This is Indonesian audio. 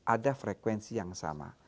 ada frekuensi yang sama